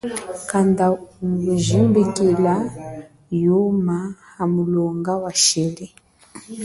Kanda ungu jimbikila yuma hamulonga wa shili.